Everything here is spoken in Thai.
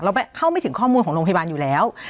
เข้าไม่ถึงข้อมูลของโรงพยาบาลอยู่แล้ว